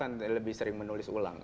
sering bahkan lebih sering menulis ulang